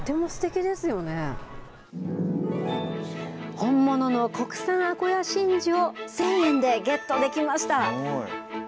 本物の国産あこや真珠を１０００円でゲットできました。